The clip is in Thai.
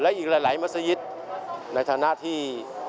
และหลายมัศโ๕๐๐๑ในทานะที่